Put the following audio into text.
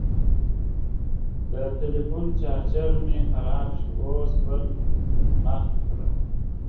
د ټلیفون چارجر مې خراب شو، اوس به بل اخلم.